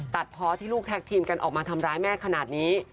ตัดเพราะที่ลูกแท็กทีมกันออกมาทำร้ายแม่ขนาดนี้